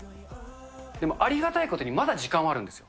でもありがたいことにまだ時間はあるんですよ。